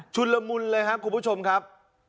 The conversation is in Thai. ละมุนเลยครับคุณผู้ชมครับ